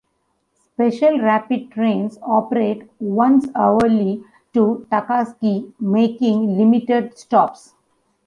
Special rapid trains operate once hourly to Takasaki, making limited stops.